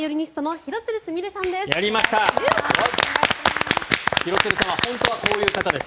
廣津留さんは本当はこういう方です。